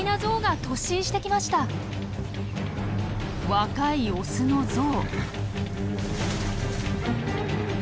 若いオスのゾウ。